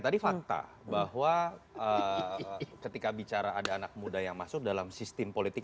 tadi fakta bahwa ketika bicara ada anak muda yang masuk dalam sistem politik